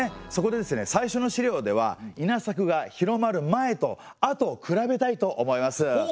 そこでですね最初の資料では稲作が広まる前と後を比べたいと思います。